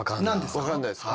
分かんないですか？